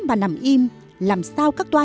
và nằm im làm sao các toa